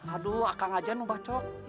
aduh sekarang saja pak melenser